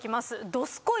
どすこい！